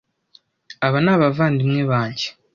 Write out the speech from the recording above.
Aba ni abavandimwe banjye.